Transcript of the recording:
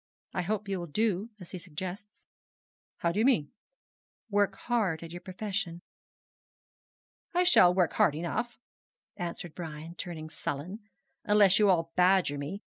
I hope you will do as he suggests.' 'How do you mean?' 'Work hard at your profession.' 'I shall work hard enough,' answered Brian, turning sullen, 'unless you all badger me.